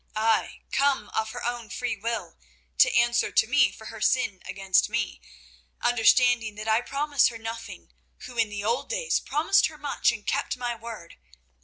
Ay, come of her own free will, to answer to me for her sin against me, understanding that I promise her nothing, who in the old days promised her much, and kept my word.